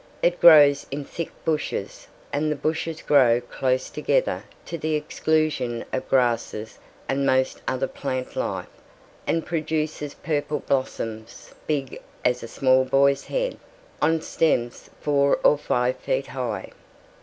It grows in thick bushes, and the bushes grow close together to the exclusion of grasses and most other plant life, and produces purple blossoms big as a small boy's head, on stems four or five feet high.